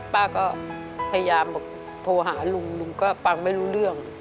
ป้าก็พยายามบอกโทรหาลุงลุงก็ฟังไม่รู้เรื่อง